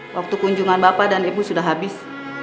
waktu kunjungan bapak dan ibu sudah habis